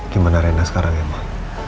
gimana rena sekarang ya mak